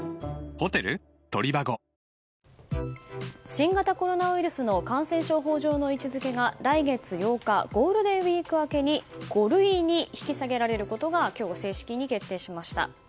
新型コロナウイルスの感染症法上の位置づけが来月８日ゴールデンウィーク明けに５類に引き下げられることが今日、正式に決定しました。